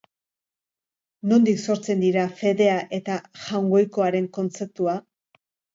Nondik sortzen dira fedea eta jaungoikoaren kontzeptua?